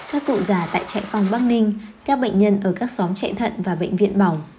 các cụ già tại trại phong bắc ninh các bệnh nhân ở các xóm chạy thận và bệnh viện bỏng